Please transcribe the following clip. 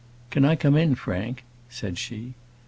"Can I come in, Frank?" said she.